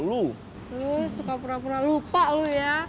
lo suka pernah pernah lupa lo ya